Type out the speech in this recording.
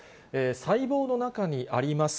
細胞の中にあります